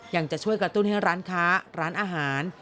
ยังจะช่วยกระตุ้นให้ร้านค้าร้านอาหาร